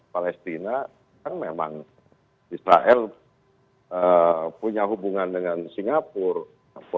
palestina yang memang israel punya hubungan dengan singapura